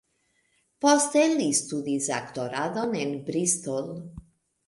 Poste li studis aktoradon en Bristol.